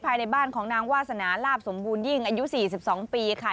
ภายในบ้านของนางวาสนาลาบสมบูรณยิ่งอายุ๔๒ปีค่ะ